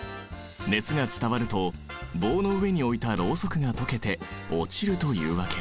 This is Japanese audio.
熱が伝わると棒の上に置いたロウソクが溶けて落ちるというわけ。